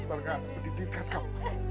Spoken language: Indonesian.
masa rakan pendidikan kamu